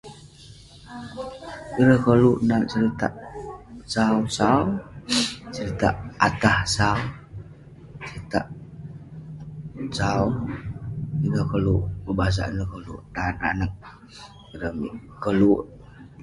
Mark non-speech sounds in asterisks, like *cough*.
Ireh koluk nat seritak sau sau. Seritak atah sau. Seritak sau, Ineh koluk kebasak, ineh koluk tan ireh anag. *unintelligible*